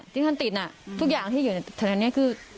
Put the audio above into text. ที่ท่านติดน่ะทุกอย่างที่อยู่ในขณะนี้คือ